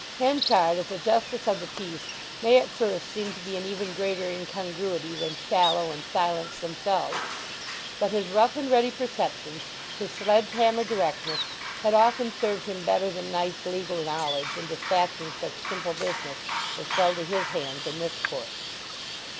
Henchard as a Justice of the Peace may at first seem to be an even greater incongruity than Shallow and Silence themselves. But his rough and ready perceptions, his sledge hammer directness, had often served him better than nice legal knowledge in despatching such simple business as fell to his hands in this Court.